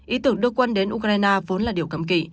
ý tưởng đưa quân đến ukraine vốn là điều cấm kỵ